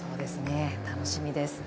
楽しみです。